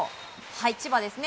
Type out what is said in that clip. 千葉ですね。